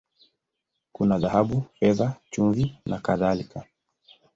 Kuna dhahabu, fedha, chumvi, na kadhalika.